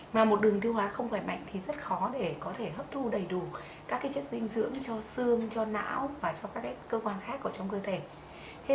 mà một đường tiêu hóa không khỏe mạnh thì rất khó để có thể hấp thu đầy đủ các chất dinh dưỡng cho xương cho não và cho các cơ quan khác có trong cơ thể